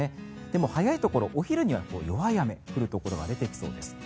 でも、早いところお昼には弱い雨が降るところが出てきそうです。